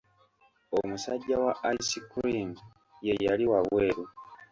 Omusajja wa ice cream ye yali wa bweru.